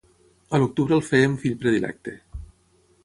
A l'octubre el fèiem fill predilecte.